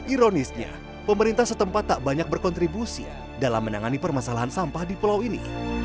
ironisnya pemerintah setempat tak banyak berkontribusi dalam menangani permasalahan sampah di pulau ini